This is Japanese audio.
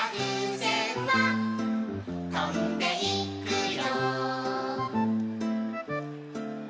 「ふうせんはとんでいくよ」